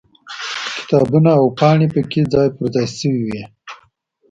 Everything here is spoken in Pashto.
کتابونه او پاڼې پکې ځای پر ځای شوي وي.